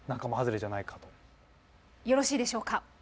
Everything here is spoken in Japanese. よろしいでしょうか？